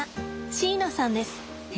椎名さんです。